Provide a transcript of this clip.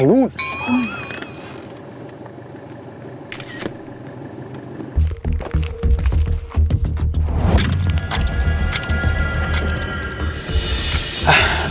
ร้องจริง